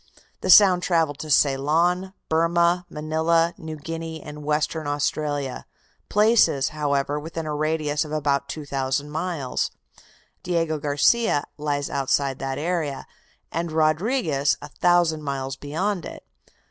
The sound travelled to Ceylon, Burmah, Manila, New Guinea and Western Australia, places, however, within a radius of about 2,000 miles; out Diego Garcia lies outside that area, and Rodriguez a thousand miles beyond it.